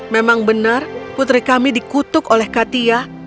memang benar putri kami dikutuk oleh katia